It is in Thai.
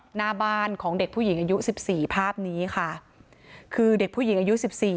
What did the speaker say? หน้าบ้านของเด็กผู้หญิงอายุ๑๔ภาพนี้ค่ะคือเด็กผู้หญิงอายุ๑๔